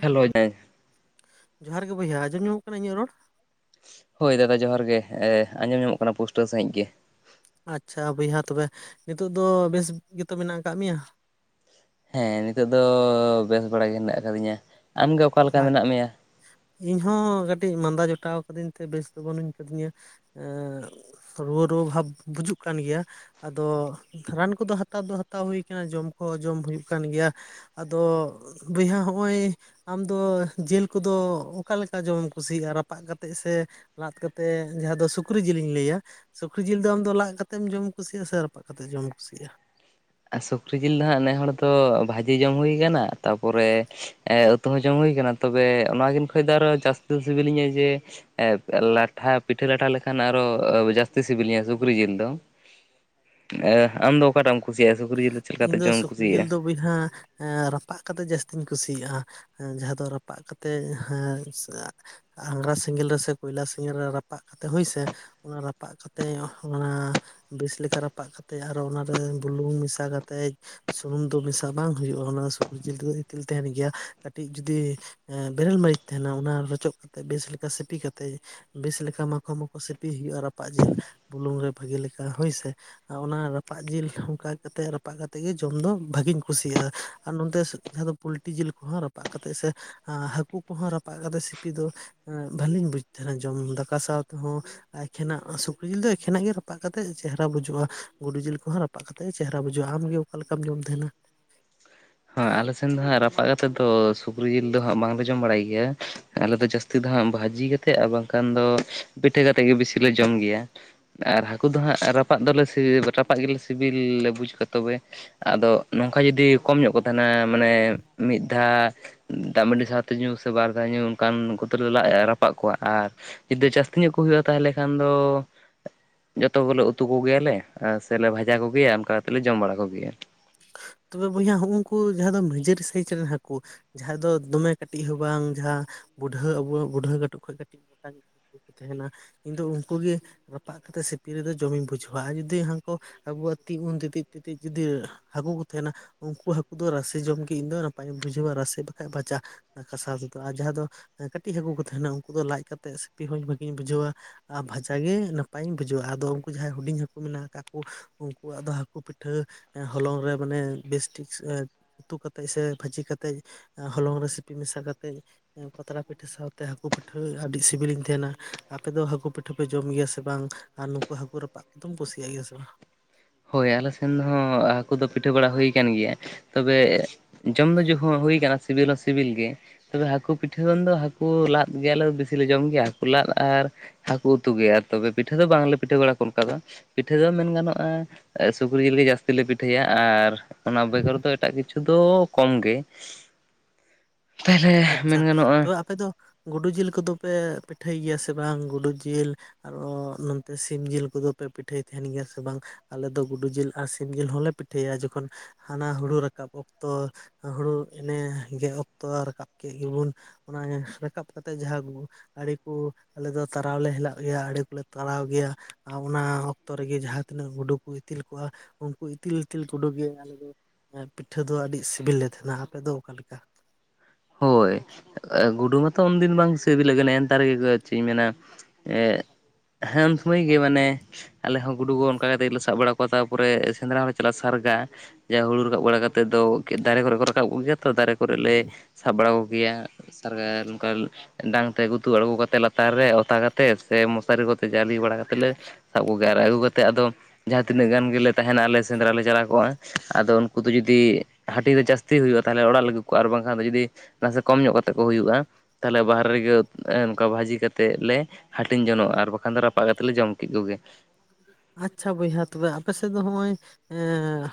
Hello ᱫᱟᱭ - ᱡᱚᱦᱟᱨ ᱜᱮ ᱵᱚᱭᱦᱟ ᱟᱡᱸᱡᱚᱢᱚᱜ ᱠᱟᱱᱟ ᱤᱧᱟᱹᱜ ᱨᱚᱲ? ᱦᱳᱭ ᱫᱟᱫᱟ ᱡᱚᱦᱟᱨ ᱜᱮ ᱟᱸᱡᱚᱢ ᱧᱟᱢᱚᱜ ᱠᱟᱱᱟ ᱯᱩᱥᱴᱟᱹᱣ ᱥᱟᱺᱦᱤᱡ ᱜᱮ᱾ ᱟᱪᱪᱷᱟ ᱵᱚᱭᱦᱟ ᱛᱚᱵᱮ ᱱᱤᱛᱚᱜ ᱫᱚ ᱵᱮᱥ ᱜᱮᱛᱚ ᱢᱮᱱᱟᱜ ᱟᱠᱟᱫ ᱢᱮᱭᱟ ᱾ ᱦᱮᱸ ᱱᱤᱛᱚᱜᱜ ᱫᱚ ᱵᱮᱥ ᱵᱟᱲᱟ ᱜᱮ ᱦᱮᱱᱟᱜ ᱟᱠᱟᱫᱤᱧᱟ ᱟᱢᱜᱮ ᱚᱠᱟᱞ ᱞᱮᱠᱟ ᱢᱮᱱᱟᱜ ᱢᱮᱭᱟ? ᱤᱧ ᱦᱚᱸ ᱠᱟᱹᱴᱤᱡ ᱢᱟᱫᱟ ᱡᱚᱴᱟᱣ ᱠᱟᱹᱫᱤᱧ ᱛᱮ ᱵᱮᱥ ᱫᱚ ᱵᱟᱹᱱᱩᱧ ᱠᱟᱹᱫᱤᱧᱟ ᱾ ᱨᱩᱣᱟᱹ ᱨᱩᱣᱟᱹ ᱵᱷᱟᱵ ᱵᱩᱡᱩᱜ ᱠᱟᱱ ᱜᱮᱭᱟ᱾ ᱟᱫᱚ ᱨᱟᱱ ᱠᱚᱫᱚ ᱦᱟᱛᱟᱣ ᱫᱚ ᱦᱟᱛᱟᱣ ᱦᱩᱭ ᱠᱟᱱᱟ ᱡᱚᱢ ᱠᱚᱦᱚᱸ ᱡᱚᱢ ᱦᱩᱭᱩᱜ ᱠᱟᱱ ᱜᱮᱭᱟ᱾ ᱟᱫᱚ ᱵᱚᱭᱦᱟ ᱦᱚᱸᱜ-ᱚᱭ ᱟᱢᱫᱚ ᱡᱤᱞ ᱠᱚᱫᱚ ᱚᱠᱟᱮ ᱞᱮᱠᱟ ᱡᱚᱢᱮ ᱮᱢ ᱠᱩᱥᱤᱭᱟᱜ-ᱟ ᱨᱟᱯᱟᱜ ᱠᱟᱛᱮᱫ ᱥᱮ ᱞᱟᱫ ᱠᱟᱛᱮᱫ ᱡᱟᱦᱟᱸ ᱫᱚ ᱥᱩᱠᱨᱤ ᱡᱤᱞᱤᱧ ᱞᱟᱹᱭᱟ ᱾ ᱥᱩᱠᱨᱤ ᱡᱤᱞ ᱫᱚ ᱟᱢᱫᱚ ᱞᱟᱜ ᱠᱟᱛᱮᱢ ᱡᱚᱢ ᱠᱩᱥᱤᱭ-ᱟ ᱥᱮ ᱨᱟᱯᱟᱜ ᱠᱟᱛᱮ ᱡᱚᱢ ᱠᱩᱥᱤᱭᱟᱜ-ᱟ᱾ ᱥᱩᱠᱨᱤ ᱡᱤᱞ ᱫᱚ ᱦᱟᱸᱜ ᱱᱮ ᱦᱚᱲ ᱫᱚ ᱵᱷᱟᱹᱡᱤ ᱡᱚᱢ ᱦᱩᱭ ᱠᱟᱱᱟ, ᱛᱟᱯᱚᱨᱮ ᱚᱛᱩ ᱦᱚᱸ ᱡᱚᱢ ᱦᱩᱭᱟᱱᱟ ᱛᱚᱵᱮ ᱚᱱᱟᱠᱤᱱ ᱠᱷᱚᱡ ᱫᱚ ᱟᱨᱚ ᱡᱟᱹᱥᱛᱤ ᱫᱚ ᱥᱤᱵᱤᱞᱤᱧᱟᱹ ᱡᱮ ᱦᱮᱸ ᱞᱟᱴᱷᱟ ᱯᱤᱴᱷᱟᱹ ᱞᱟᱴᱷᱟ ᱞᱮᱠᱷᱟᱱ ᱟᱨᱚ ᱡᱟᱹᱥᱛᱤ ᱥᱤᱵᱤᱞᱤᱧᱟ ᱥᱩᱠᱨᱤ ᱡᱤᱞ ᱫᱚ᱾ ᱟᱢ ᱫᱚ ᱚᱠᱟᱴᱟᱜ ᱮᱢ ᱠᱩᱥᱤᱭᱟᱜ-ᱟ ᱥᱩᱠᱨᱤ ᱡᱤᱞ ᱫᱚ ᱪᱮᱫ ᱠᱟᱛᱮ ᱡᱚᱢ ᱮᱢ ᱠᱩᱥᱤᱭᱟᱜ-ᱟ᱾ ᱡᱟᱦᱟᱸ ᱨᱟᱯᱟᱜ ᱠᱟᱛᱮᱜ ᱡᱟᱹᱥᱛᱤᱧ ᱠᱩᱥᱤᱭᱟᱜ-ᱟ᱾ ᱡᱟᱦᱟᱸ ᱫᱚ ᱨᱟᱯᱟᱜ ᱠᱟᱛᱮᱫ ᱦᱮᱸ ᱟᱝᱜᱨᱟ ᱥᱮᱸᱜᱮᱞ ᱨᱮ ᱥᱮ ᱠᱚᱭᱞᱟ ᱥᱮᱸᱜᱮᱞ ᱨᱮ ᱨᱟᱯᱟᱜ ᱠᱟᱛᱮᱜ ᱦᱳᱭᱥᱮ ᱚᱱᱟ ᱨᱟᱯᱟᱜ ᱠᱟᱛᱮᱫ ᱚᱱᱟ ᱵᱮᱥ ᱞᱮᱠᱟ ᱨᱟᱯᱟᱜ ᱠᱟᱛᱮᱜ ᱟᱨᱚ ᱚᱱᱟᱨᱮ ᱵᱩᱞᱩᱝ ᱢᱮᱥᱟ ᱠᱟᱛᱮᱫ ᱥᱩᱱᱩᱢ ᱫᱚ ᱢᱮᱥᱟᱜ ᱵᱟᱝ ᱦᱩᱭᱩᱜ-ᱟ ᱚᱱᱟ ᱥᱩᱠᱨᱤ ᱡᱤᱞ ᱛᱮᱫ ᱜᱤᱛᱤᱞ ᱛᱟᱦᱮᱱ ᱜᱮᱭᱟ ᱠᱟᱹᱴᱤᱡ ᱡᱩᱫᱤ ᱵᱮᱨᱮᱞ ᱢᱟᱨᱤᱪ ᱛᱟᱦᱮᱱᱟ ᱚᱱᱟ ᱨᱚᱪᱚᱜ ᱠᱟᱛᱮᱜ ᱵᱮᱥ ᱞᱮᱠᱟ ᱥᱤᱯᱤ ᱠᱟᱛᱮᱜ ᱵᱮᱥ ᱞᱮᱠᱟ ᱢᱟᱠᱚ ᱢᱟᱠᱚ ᱥᱤᱯᱤ ᱦᱩᱭᱩᱜ-ᱟ ᱨᱟᱯᱟᱜ ᱡᱤᱞ ᱵᱩᱞᱩᱝ ᱨᱮ ᱵᱷᱟᱹᱜᱤ ᱞᱮᱠᱟ ᱦᱳᱭᱥᱮ ᱚᱱᱟ ᱨᱟᱯᱟᱜ ᱡᱤᱞ ᱦᱚᱸ ᱚᱱᱠᱟ ᱠᱟᱛᱮ ᱨᱟᱯᱟᱜ ᱠᱟᱛᱮ ᱜᱮ ᱡᱚᱢ ᱫᱚ ᱵᱷᱟᱜᱤᱧ ᱠᱩᱥᱤᱭᱟᱜ-ᱟ ᱟᱨ ᱱᱚᱛᱮ ᱡᱟᱦᱟᱸ ᱫᱚ ᱯᱞᱴᱤ ᱡᱤᱞ ᱠᱚᱦᱚᱸ ᱨᱟᱯᱟᱜ ᱨᱟᱯᱟᱜ ᱠᱟᱛᱮᱜ ᱥᱮ ᱦᱟᱹᱠᱩ ᱠᱚᱦᱚᱸ ᱨᱟᱯᱟᱜ ᱠᱟᱛᱮ ᱥᱤᱯᱤ ᱫᱚ ᱵᱷᱟᱞᱤᱧ ᱵᱩᱡ ᱛᱟᱦᱮᱱᱟ ᱡᱚᱢ ᱫᱟᱠᱟ ᱥᱟᱶ ᱛᱮᱦᱚᱸ᱾ ᱮᱠᱷᱮᱱᱟᱜ ᱥᱩᱠᱨᱤ ᱡᱤᱞ ᱫᱚ ᱮᱠᱷᱮᱱᱟᱜ ᱜᱮ ᱨᱟᱯᱟᱜ ᱠᱟᱛᱮᱫ ᱪᱮᱦᱨᱟ ᱵᱩᱡᱩᱜ-ᱟ ᱜᱩᱰᱩ ᱡᱤᱞ ᱠᱚᱦᱚᱸ ᱨᱟᱯᱟᱜ ᱠᱟᱛᱮ ᱪᱮᱦᱨᱟ ᱵᱩᱡᱩ-ᱟ ᱟᱢᱜᱮ ᱚᱠᱟ ᱞᱮᱠᱟᱢ ᱡᱚᱢ ᱛᱟᱦᱮᱱᱟ? ᱟᱞᱮ ᱥᱮᱱ ᱫᱚ ᱦᱟᱸᱜ ᱨᱟᱯᱟᱜ ᱠᱟᱛᱮᱜ ᱫᱚ ᱥᱩᱠᱨᱤ ᱡᱤᱞ ᱫᱚ ᱦᱟᱸᱜ ᱵᱟᱝᱞᱮ ᱡᱚᱢ ᱵᱟᱲᱟᱭ ᱜᱮᱭᱟ᱾ ᱟᱞᱮ ᱫᱚ ᱡᱟᱹᱥᱛᱤ ᱫᱚ ᱦᱟᱸᱜ ᱵᱷᱟᱹᱡᱤ ᱠᱟᱛᱮᱜ ᱟᱨ ᱵᱟᱝ ᱠᱷᱟᱱ ᱫᱚ ᱯᱤᱴᱷᱟᱹ ᱠᱟᱛᱮᱫ ᱜᱮ ᱵᱮᱥᱤᱞᱮ ᱡᱚᱢ ᱜᱮᱭᱟ᱾ ᱟᱨ ᱦᱟᱹᱠᱩ ᱫᱚ ᱦᱟᱸᱜ ᱨᱟᱯᱟᱜ ᱫᱚᱞᱮ ᱨᱟᱯᱟᱜ ᱜᱮᱞᱮ ᱥᱤᱵᱤᱞ ᱞᱮ ᱵᱩᱡᱽ ᱠᱚᱣᱟ ᱛᱚᱵᱮ᱾ ᱟᱫᱚ ᱱᱚᱝᱠᱟ ᱡᱚᱫᱤ ᱠᱚᱢ ᱧᱚᱜ ᱠᱚ ᱛᱟᱦᱮᱱᱟ ᱢᱟᱱᱮ ᱢᱤᱫ ᱫᱷᱟᱣ ᱫᱟᱜ ᱢᱟᱹᱰᱤ ᱥᱟᱶᱛᱮ ᱧᱩ ᱥᱮ ᱵᱟᱨ ᱫᱷᱟᱣ ᱧᱩ ᱚᱱᱠᱟᱱ ᱠᱚᱛᱮ ᱞᱮ ᱨᱟᱯᱟᱜ ᱠᱚᱣᱟ᱾ ᱟᱨ ᱡᱩᱫᱤ ᱡᱟᱹᱥᱛᱤ ᱧᱚᱜ ᱠᱚ ᱦᱩᱭᱩᱜ-ᱟ ᱛᱟᱦᱚᱞᱮ ᱠᱷᱟᱱ ᱫᱚ ᱡᱚᱛᱚ ᱜᱮᱞᱮ ᱩᱛᱩ ᱠᱚ ᱜᱮᱭᱟ ᱞᱮ ᱥᱮᱞᱮ ᱵᱷᱟᱡᱟ ᱠᱚ ᱜᱮᱭᱟ ᱚᱱᱠᱟ ᱠᱟᱛᱮ ᱞᱮ ᱡᱚᱢ ᱵᱟᱲᱟ ᱠᱚ ᱜᱮᱭᱟ᱾ ᱛᱚᱵᱮ ᱵᱚᱭᱦᱟ ᱦᱚᱸᱜ ᱩᱱᱠᱩ ᱡᱟᱦᱟᱸ ᱫᱚ ᱱᱤᱡᱟᱹᱨᱤ ᱥᱟᱭᱤᱡ ᱨᱮᱱ ᱦᱟᱹᱠᱩ ᱡᱟᱦᱟᱸᱭ ᱫᱚ ᱫᱚᱢᱮ ᱠᱟᱹᱴᱤᱡ ᱦᱚᱸ ᱵᱟᱝ ᱡᱟᱦᱟᱸ ᱵᱩᱰᱷᱟᱹ ᱟᱵᱚ ᱵᱩᱰᱷᱟᱹ ᱠᱟᱹᱴᱩᱵ ᱠᱷᱚᱱ ᱠᱟᱹᱴᱤᱡ ᱢᱚᱴᱟ ᱧᱪᱚ ᱛᱮᱦᱮᱱᱟ ᱤᱧ ᱫᱚ ᱩᱱᱠᱩᱩ ᱜᱤ ᱨᱟᱯᱟᱜ ᱠᱟᱛᱮᱫ ᱥᱤᱯᱤ ᱨᱮᱫᱚ ᱡᱚᱢᱤᱧ ᱵᱩᱡᱷᱟᱹᱣᱟ ᱟᱨ ᱡᱩᱫᱤ ᱦᱟᱱᱠᱩ ᱟᱵᱩᱣᱟᱜ ᱛᱤᱜ ᱩᱱ ᱛᱤᱛᱤᱡ ᱛᱤᱛᱤᱡ ᱡᱩᱫᱤ ᱦᱟᱠᱩ ᱠᱚ ᱾ ᱛᱟᱦᱮᱱᱟ ᱩᱱᱠᱩ ᱦᱟᱹᱠᱩ ᱫᱚ ᱨᱟᱥᱮ ᱡᱚᱢ ᱜᱮ ᱤᱧ ᱫᱚ ᱱᱟᱯᱟᱭᱤᱧ ᱵᱩᱡᱷᱟᱹᱣᱟ ᱨᱟᱥᱮ ᱵᱟᱠᱷᱷᱟᱡ ᱵᱷᱟᱡᱟ ᱾ ᱠᱟᱥᱟᱣ ᱛᱮᱫᱚ ᱟᱨ ᱡᱟᱦᱟᱸ ᱫᱚ ᱠᱟᱹᱴᱤᱡ ᱦᱟᱹᱠᱩ ᱠᱚ ᱛᱟᱦᱮᱱᱟ ᱩᱱᱠᱩ ᱫᱚ ᱞᱟᱡ ᱠᱟᱛᱮᱜ ᱥᱤᱯᱤ ᱦᱚᱸᱧ ᱵᱷᱟᱹᱜᱤᱧ ᱵᱩᱡᱷᱟᱹᱣ ᱾ ᱟ ᱵᱷᱟᱡᱟ ᱜᱮ ᱱᱟᱯᱟᱭᱤᱧ ᱵᱩᱡᱷᱟᱹᱣᱟ ᱟᱫᱚ ᱩᱱᱠᱩ ᱡᱟᱦᱟᱸᱭ ᱦᱩᱰᱤᱧ ᱦᱟᱹᱠᱩ ᱢᱮᱱᱟᱜ ᱟᱠᱟᱫ ᱠᱚ ᱾ ᱩᱱᱠᱩᱣᱟᱜ ᱫᱚ ᱦᱟᱹᱠᱩ ᱯᱤᱴᱷᱟᱹ ᱮ ᱦᱚᱞᱚᱝ ᱨᱮ ᱢᱟᱱᱮ ᱵᱮᱥ ᱴᱷᱤᱠ ᱾ ᱩᱛᱩ ᱠᱟᱛᱮᱫ ᱥᱮ ᱵᱷᱟᱹᱡᱤ ᱠᱟᱛᱮᱫ ᱦᱚᱞᱚᱝ ᱨᱮ ᱥᱤᱯᱤ ᱢᱮᱥᱟ ᱠᱟᱛᱮᱫ ᱾ ᱯᱟᱛᱲᱟ ᱯᱤᱴᱷᱟᱹ ᱥᱟᱶᱛᱮ ᱦᱟᱹᱠᱩ ᱯᱤᱴᱷᱟᱹ ᱟᱹᱰᱤ ᱥᱤᱵᱤᱞᱤᱧ ᱛᱟᱦᱮᱱᱟ ᱟᱯᱮ ᱫᱚ ᱦᱟᱹᱠᱩ ᱯᱤᱴᱷᱟᱹ ᱯᱮ ᱡᱚᱢ ᱜᱮᱭᱟ ᱥᱮ ᱵᱟᱝ? ᱟᱨ ᱱᱩᱠᱩ ᱦᱟᱹᱠᱩ ᱨᱟᱯᱟᱜ ᱠᱚᱫᱚᱢ ᱠᱩᱥᱤᱭᱟᱜ ᱜᱮᱭᱟ ᱥᱮ ᱵᱟᱝ? ᱦᱳᱭ ᱟᱞᱮ ᱥᱮᱱ ᱦᱚᱸ ᱦᱟᱹᱠᱩ ᱫᱚ ᱯᱤᱴᱷᱟᱹ ᱵᱮᱲᱟ ᱦᱩᱭ ᱠᱟᱱ ᱜᱮᱭᱟ ᱾ ᱛᱚᱵᱮ ᱡᱚᱢ ᱫᱚ ᱡᱚᱦᱩ ᱦᱩᱭ ᱠᱟᱱᱟ ᱥᱤᱵᱤᱞ ᱦᱚᱸ ᱥᱤᱵᱤᱞ ᱜᱮ ᱾ ᱛᱚᱵᱮ ᱦᱟᱹᱠᱩ ᱯᱤᱴᱷᱟᱹ ᱠᱷᱚᱱ ᱫᱚ ᱦᱟᱹᱠᱩ ᱞᱟᱫ ᱜᱮᱭᱟᱞᱮ ᱵᱤᱥᱤᱞᱮ ᱡᱚᱢ ᱜᱮᱭᱟ ᱦᱟᱹᱠᱩ ᱞᱟᱫ ᱾ᱟᱨ ᱦᱟᱹᱠᱩ ᱩᱛᱩ ᱜᱮ ᱛᱚᱵᱮ ᱯᱤᱴᱷᱟᱹ ᱫᱚ ᱵᱟᱝᱞᱮ ᱯᱤᱴᱷᱟᱹ ᱵᱟᱲᱟ ᱠᱚ ᱚᱱᱠᱟ ᱫᱚ ᱯᱤᱴᱷᱟᱹ ᱫᱚ ᱢᱮᱱ ᱜᱟᱱᱚᱜᱼᱟ᱾ ᱥᱩᱠᱨᱤ ᱡᱤᱞ ᱜᱮ ᱡᱟᱹᱥᱛᱤ ᱞᱮ ᱯᱤᱴᱷᱟᱹᱭᱟ ᱟᱨ ᱚᱱᱟ ᱵᱮᱜᱚᱨ ᱫᱚ ᱮᱴᱟᱜ ᱠᱤᱪᱷᱩ ᱫᱚ ᱠᱚᱢ ᱜᱮ ᱾ ᱟᱪᱪᱷᱟ ᱜᱟᱱᱚᱜᱼᱟ ᱛᱚᱵᱮ ᱟᱯᱮ ᱫᱚ ᱜᱩᱰᱩ ᱡᱤᱞ ᱠᱚᱫᱚ ᱯᱮ ᱯᱤᱴᱷᱟᱹᱭ ᱜᱮᱭᱟ ᱥᱮ ᱵᱟᱝ ᱜᱩᱰᱩ ᱡᱤᱞ? ᱟᱨᱚ ᱱᱚᱱᱛᱮ ᱥᱤᱢ ᱡᱤᱞ ᱠᱚᱫᱚ ᱯᱮ ᱯᱤᱴᱷᱟᱹᱭ ᱛᱟᱦᱮᱱ ᱜᱮᱭᱟ ᱥᱮ ᱵᱟᱝ? ᱟᱞᱮ ᱫᱚ ᱜᱩᱰᱩ ᱡᱤᱞ ᱟᱨ ᱥᱤᱢ ᱡᱤᱞ ᱦᱚᱸᱞᱮ ᱯᱤᱴᱷᱟᱹᱭᱟ ᱡᱚᱠᱷᱚᱱ ᱦᱟᱱᱟ ᱦᱩᱲᱩ ᱨᱟᱠᱟᱵ ᱚᱠᱛᱚ ᱦᱩᱲᱩ ᱮᱱᱮ ᱜᱮᱜ ᱚᱠᱛᱚ ᱨᱟᱠᱟᱵ ᱠᱮᱜ ᱜᱮᱵᱩᱱ ᱾ ᱚᱱᱟ ᱨᱟᱠᱟᱵ ᱠᱟᱛᱮᱜ ᱡᱟᱦᱟᱸ ᱜᱩ ᱟᱹᱰᱤ ᱠᱚ ᱟᱞᱮ ᱫᱚ ᱛᱟᱨᱟᱣᱞᱮ ᱦᱮᱞᱟᱜ ᱜᱮᱭᱟ ᱟᱹᱰᱤ ᱠᱚᱞᱮ ᱛᱟᱨᱟᱣ ᱜᱮᱭᱟ ᱾ ᱟ ᱚᱱᱟ ᱚᱠᱛᱚ ᱨᱮᱜᱮ ᱡᱟᱦᱟᱸ ᱛᱤᱱᱟᱹᱜ ᱜᱩᱰᱩ ᱠᱚ ᱤᱛᱤᱞ ᱠᱚᱜᱼᱟ ᱩᱱᱠᱩ ᱤᱛᱤᱞ ᱤᱛᱤᱞ [unintelligible] ᱜᱮ ᱟᱞᱮ ᱫᱚ ᱾ ᱯᱤᱴᱷᱟᱹ ᱫᱚ ᱟᱹᱰᱤ ᱥᱤᱵᱤᱞ ᱞᱮ ᱛᱷᱮᱱᱟ ᱟᱯᱮ ᱫᱚ ᱚᱠᱟ ᱞᱮᱠᱟ? ᱦᱳᱭ ᱜᱩᱰᱩ ᱢᱟᱛᱚ ᱩᱱᱫᱤᱱ ᱵᱟᱝ ᱥᱤᱵᱤᱞᱤᱠᱮᱱ ᱮᱱᱛᱟᱨ ᱜᱮᱠᱚ ᱪᱮᱜ ᱤᱧ ᱢᱮᱱᱟ ᱾ ᱮ ᱦᱮᱸ ᱩᱱ ᱥᱩᱢᱚᱭ ᱜᱮ ᱢᱟᱱᱮ ᱾ ᱟᱞᱮ ᱦᱚᱸ ᱜᱩᱰᱩ ᱜᱚ ᱚᱱᱠᱟ ᱠᱟᱛᱮᱜ ᱜᱮ ᱥᱟᱵ ᱵᱟᱲᱟ ᱠᱚᱣᱟ ᱛᱟᱨᱯᱚᱨᱮ ᱥᱮᱸᱫᱽᱨᱟ ᱦᱚᱸ ᱞᱮ ᱪᱟᱞᱟᱜᱼᱟ ᱥᱟᱨᱜᱟ ᱾ ᱡᱟ ᱦᱩᱲᱩ ᱨᱟᱠᱟᱵ ᱵᱟᱲᱟ ᱠᱟᱛᱮᱫ ᱫᱚ ᱫᱟᱨᱮ ᱠᱚᱨᱮ ᱠᱚ ᱨᱟᱠᱟᱵ ᱠᱚ ᱜᱮᱭᱟᱛ ᱾ ᱛᱚ ᱫᱟᱨᱮ ᱠᱚᱨᱮᱜ ᱞᱮ ᱥᱟᱵ ᱵᱟᱲᱟ ᱠᱚᱜᱮᱭᱟ ᱥᱟᱨᱜᱟ ᱱᱩᱝᱠᱟ ᱾ ᱰᱟᱝ ᱛᱮ ᱜᱩᱛᱩ ᱟᱬᱜᱳ ᱠᱟᱛᱮᱫ ᱞᱟᱛᱟᱨ ᱨᱮ ᱚᱛᱟ ᱠᱟᱛᱮᱫ ᱥᱮ ᱢᱚᱥᱟᱨᱤ ᱠᱚᱛᱮ ᱡᱟᱞᱤ ᱵᱟᱲᱟ ᱠᱟᱛᱮᱫ ᱞᱮ ᱥᱟᱵ ᱠᱚᱜᱮ ᱟᱨ ᱟᱹᱜᱩ ᱠᱟᱛᱮᱫ ᱟᱫᱚ ᱾ ᱡᱟᱦᱟᱸ ᱛᱤᱱᱟᱹᱜ ᱜᱟᱱ ᱜᱮᱞᱮ ᱛᱟᱦᱮᱱᱟ ᱟᱞᱮ ᱥᱮᱸᱫᱽᱨᱟ ᱞᱮ ᱪᱟᱞᱟᱣ ᱠᱚᱜᱼᱟ ᱟᱫᱚ ᱩᱱᱠᱩ ᱫᱚ ᱡᱩᱫᱤ ᱦᱟᱹᱴᱤᱧ ᱨᱮ ᱡᱟᱹᱥᱛᱤ ᱦᱩᱭᱩᱜᱼᱟ ᱛᱟᱦᱚᱞᱮ ᱚᱲᱟᱜ ᱞᱟᱹᱜᱩ ᱠᱚᱣᱟ ᱟᱨ ᱵᱟᱝᱠᱷᱟᱱ ᱫᱚ ᱡᱩᱫᱤ ᱱᱟᱥᱮ ᱠᱚᱢ ᱧᱚᱜ ᱠᱟᱛᱮᱫ ᱠᱚ ᱦᱩᱭᱩᱜᱼᱟ ᱾ ᱛᱟᱦᱞᱮ ᱵᱟᱦᱨᱮ ᱨᱮᱜᱮ ᱱᱚᱝᱠᱟ ᱵᱷᱟᱹᱡᱤ ᱠᱟᱛᱮᱫ ᱞᱮ ᱦᱟᱹᱴᱤᱧ ᱡᱚᱱᱚᱜᱼᱟ ᱟᱨ ᱵᱟᱠᱷᱟᱱ ᱫᱚ ᱨᱟᱯᱟᱜ ᱠᱟᱛᱮ ᱞᱮ ᱡᱚᱢ ᱠᱮᱫ ᱠᱚᱜᱮ ᱾ ᱟᱪᱪᱷᱟ ᱵᱚᱭᱦᱟ ᱛᱚᱵᱮ ᱟᱯᱮᱥᱮᱫ ᱫᱚ ᱦᱚᱜᱼᱚᱭ ᱮᱸ